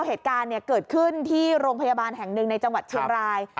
เหตุการณ์เกิดขึ้นที่โรงพยาบาลแห่งหนึ่งในจังหวัดเชียงราย